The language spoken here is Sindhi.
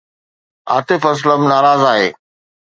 عاطف اسلم ناراض آهي